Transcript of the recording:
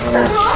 ustadz luar lagi